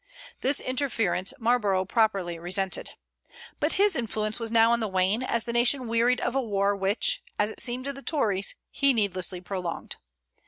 This interference Marlborough properly resented. But his influence was now on the wane, as the nation wearied of a war which, as it seemed to the Tories, he needlessly prolonged.